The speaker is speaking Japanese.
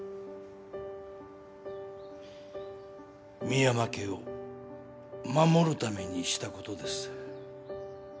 深山家を守るためにしたことです。